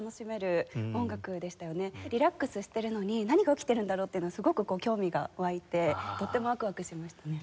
リラックスしているのに何が起きているんだろうっていうのはすごく興味が湧いてとってもワクワクしましたね。